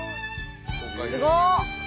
すごっ！